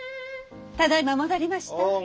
ただいま戻りました。